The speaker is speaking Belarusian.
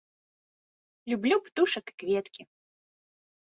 Люблю птушак і кветкі.